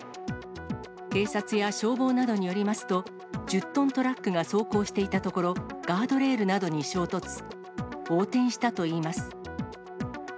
警察や消防などによりますと、１０トントラックが走行していたところ、ガードレールなどに衝突、横転したといいます。